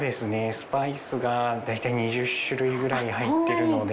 スパイスがだいたい２０種類くらい入ってるので。